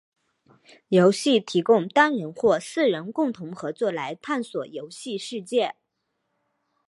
游戏提供单人或四人共同合作来探索游戏世界。